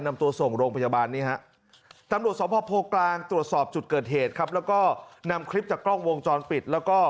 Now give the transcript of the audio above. นำตัวส่งโรงพยาบาลนี้ฮะตำลวดสวพพ